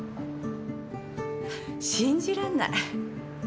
信じられない。